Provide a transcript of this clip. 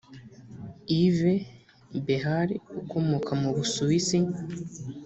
Yves Behar ukomoka mu Busuwisi